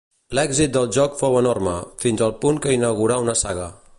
L'èxit del joc fou enorme, fins al punt que inaugurà una saga.